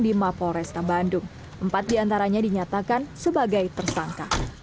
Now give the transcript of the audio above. semua polresta bandung empat diantaranya dinyatakan sebagai tersangka